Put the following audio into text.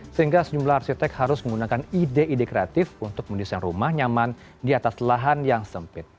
sehingga sejumlah arsitek harus menggunakan ide ide kreatif untuk mendesain rumah nyaman di atas lahan yang sempit